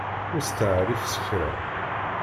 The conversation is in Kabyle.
Ur steεrif s kra!